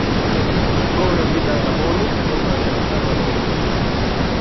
Tro rapida laboro, tro malgranda valoro.